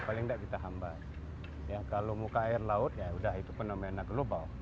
paling tidak kita hamba ya kalau muka air laut ya udah itu fenomena global